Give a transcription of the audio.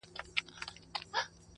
صبر ته د سترګو مي مُغان راسره وژړل،